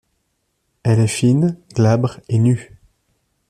Elle est fine, glabre et nue.